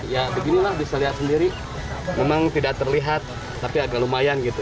ya beginilah bisa lihat sendiri memang tidak terlihat tapi agak lumayan gitu